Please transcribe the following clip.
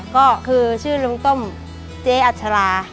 ก็คือชื่อรงต้มเจ๊อัจฉลา